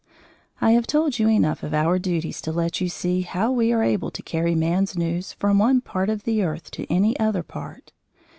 I have told you enough of our duties to let you see how we are able to carry man's news from one part of the earth to any other part.